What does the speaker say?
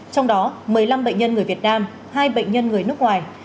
trong đó một mươi năm bệnh nhân người việt nam hai bệnh nhân người nước ngoài